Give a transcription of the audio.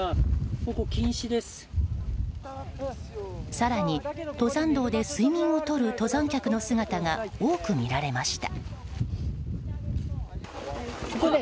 更に、登山道で睡眠をとる登山客の姿が多く見られました。